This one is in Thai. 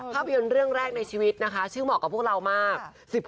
ภาพยนตร์เรื่องแรกในชีวิตนะคะชื่อเหมาะกับพวกเรามาก